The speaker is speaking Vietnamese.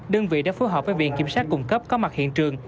đơn vị đã phối hợp với viện kiểm sát cung cấp có mặt hiện trường